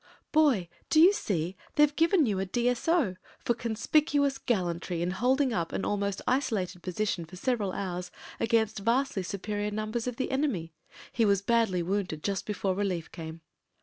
"Boy, do you see, they've given you a D.S.O. Tor conspicuous gallantry in holding up an almost isolated position for several hours against vastly superior numbers of the enemy. He was badly wounded just before relief came.'